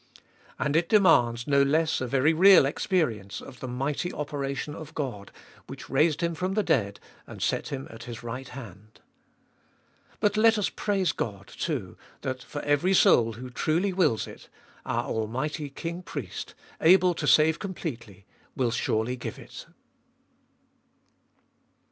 And it demands no less a very real experience of the mighty operation of God, which raised Him from the dead, and set Him at His right hand. But let us praise God, too, that for every soul who truly wills it, our almighty King Priest, able to save completely, will surely give it.